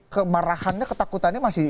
kemarahannya ketakutannya masih